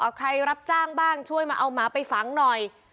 เอาใครรับจ้างบ้างช่วยมาเอาหมาไปฝังหน่อย